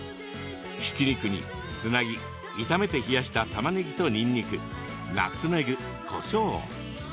ひき肉に、つなぎ炒めて冷やした、たまねぎとにんにく、ナツメグ、こしょう。